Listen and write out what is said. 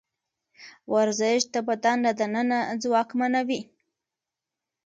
ورزش د بدن له دننه ځواکمنوي.